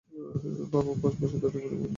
বাবা পাঁচ বছর ধরে ঠিকমত ঘুমায় নি।